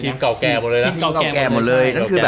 ทีมเก่าแก่หมดเลยนะ